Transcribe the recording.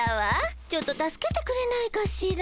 ちょっと助けてくれないかしら。